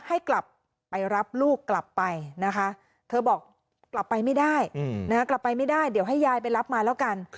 ให้รับลูกกลับไปนั้นย้ายไปรับมาแล้วกัน